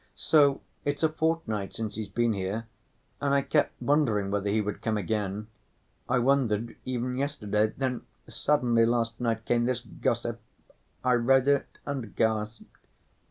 So it's a fortnight since he's been here, and I kept wondering whether he would come again. I wondered even yesterday, then suddenly last night came this Gossip. I read it and gasped.